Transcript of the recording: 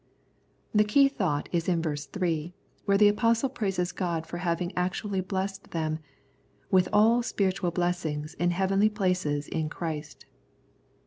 The key thought is in verse 3, where the Apostle praises God for having actually blessed them " with all spiritual blessings in heavenly places in Christ."